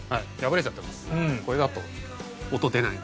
これだと音出ない。